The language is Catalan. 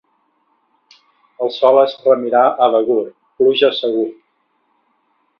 El sol es remira a Begur, pluja segur.